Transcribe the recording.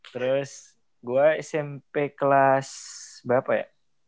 terus gue smp kelas berapa ya